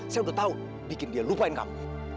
saya udah tau bikin dia lupain kamu